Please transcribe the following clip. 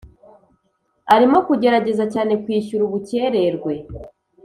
arimo kugerageza cyane kwishyura ubukererwe.